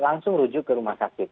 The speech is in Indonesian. langsung rujuk ke rumah sakit